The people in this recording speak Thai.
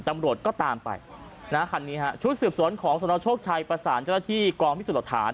ตำรวจก็ตามไปคันนี้ชุดสืบสวนของสนชกชายประสานเจ้าที่กองพิสุทธฐาน